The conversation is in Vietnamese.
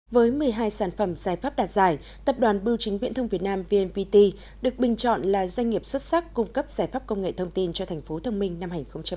với một mươi hai sản phẩm giải pháp đạt giải tập đoàn bưu chính viễn thông việt nam vnpt được bình chọn là doanh nghiệp xuất sắc cung cấp giải pháp công nghệ thông tin cho thành phố thông minh năm hai nghìn một mươi chín